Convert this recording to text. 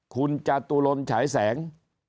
คุณจตุรนฉายแสง